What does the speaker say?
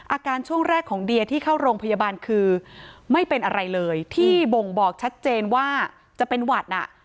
ช่วงแรกของเดียที่เข้าโรงพยาบาลคือไม่เป็นอะไรเลยที่บ่งบอกชัดเจนว่าจะเป็นหวัดอ่ะ